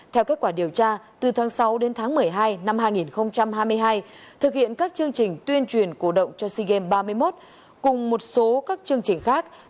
theo kết quả điều tra từ tháng sáu đến tháng một mươi hai năm hai nghìn hai mươi hai thực hiện các chương trình tuyên truyền cổ động cho sea games ba mươi một cùng một số các chương trình khác